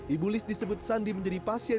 ibu liz disebut sandi menjadi pasien